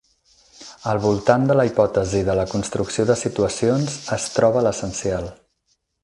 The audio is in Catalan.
Al voltant de la hipòtesi de la construcció de situacions es troba l'essencial.